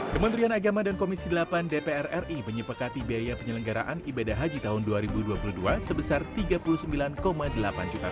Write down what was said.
kementerian agama dan komisi delapan dpr ri menyepekati biaya penyelenggaraan ibadah haji tahun dua ribu dua puluh dua sebesar rp tiga puluh sembilan delapan juta